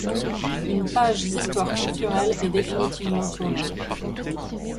Une page d'histoire culturelle est définitivement tournée.